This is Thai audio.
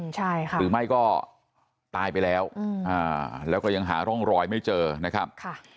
ใช่ค่ะหรือไม่ก็ตายไปแล้วแล้วก็ยังหาร่องรอยไม่เจอนะครับ